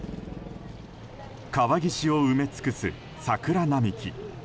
川岸を埋め尽くす桜並木。